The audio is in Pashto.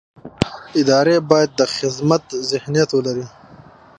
ادارې باید د خدمت ذهنیت ولري